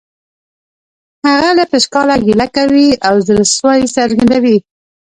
هغه له پشکاله ګیله کوي او زړه سوی څرګندوي